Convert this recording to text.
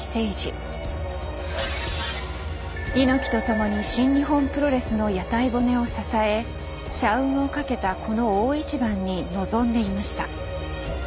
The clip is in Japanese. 猪木とともに新日本プロレスの屋台骨を支え社運をかけたこの大一番に臨んでいました。